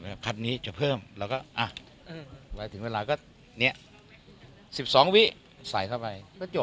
คัสดนี้จะเพิ่มถือเวลาก็๑๒สี่วิใส้เข้าไป